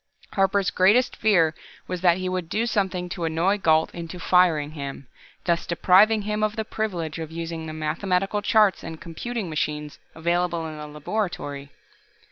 Harper's greatest fear was that he would do something to annoy Gault into firing him, thus depriving him of the privilege of using the mathematical charts and computing machines available in the laboratory.